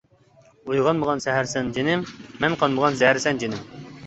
ئويغانمىغان سەھەرسەن جېنىم، مەن قانمىغان زەھەرسەن جېنىم.